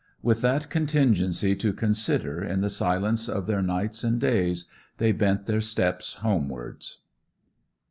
With that contingency to consider in the silence of their nights and days they bent their steps homewards.